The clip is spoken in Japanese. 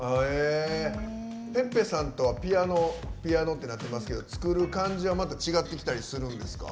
ｐｅｐｐｅさんとはピアノってなってますけど作る感じはまた違ってきたりするんですか？